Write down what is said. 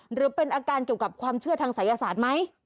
หรือเป็นอาการเกี่ยวกับความเชื่อทางศัยศาสตร์ไหม